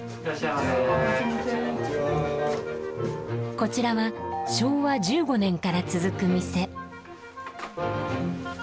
こちらは昭和１５年から続く店。